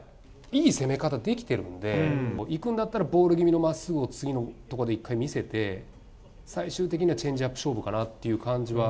いい攻め方できてるんで、いくんだったらボール気味のまっすぐを次のところで一回見せて、最終的にはチェンジアップ勝負かなっていう感じは。